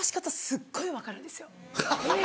すっごい分かるんです。